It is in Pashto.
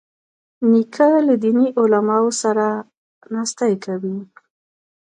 نیکه له دیني علماوو سره ناستې کوي.